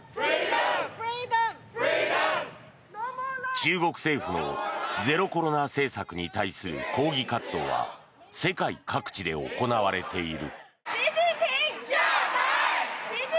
中国政府のゼロコロナ政策に対する抗議活動は世界各地で行われている。